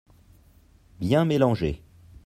Bien mélanger.